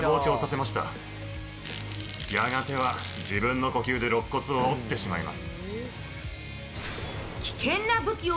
そしてやがては自分の呼吸でろっ骨を折ってしまいます。